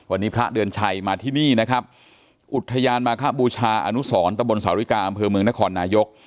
วันนี้พระเดือนชัยมาที่นี่นะครับอุทยานมาคบูชาอนุสรตะบนสาวริกาอำเภอเมืองนครนายก